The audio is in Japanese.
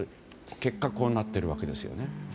結果こうなっているわけです。